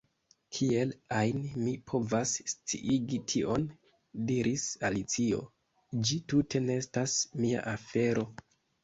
"Kiel ajn mi povas sciigi tion?" diris Alicio, "ĝi tute ne estas mia afero."